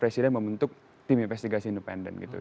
presiden membentuk tim investigasi independen gitu